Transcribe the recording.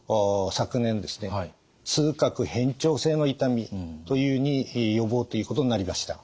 痛覚変調性の痛みというふうに呼ぼうということになりました。